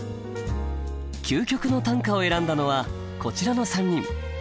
究極の短歌を選んだのはこちらの３人。